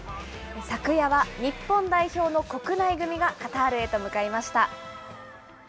昨夜は日本代表の国内組がカタールへと向かいました。